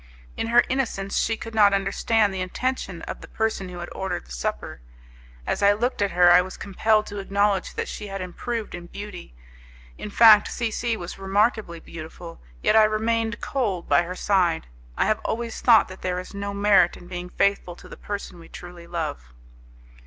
In her innocence, she could not understand the intention of the person who had ordered the supper. As I looked at her, I was compelled to acknowledge that she had improved in beauty; in fact C C was remarkably beautiful, yet I remained cold by her side. I have always thought that there is no merit in being faithful to the person we truly love.